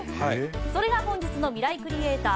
それが本日のミライクリエイター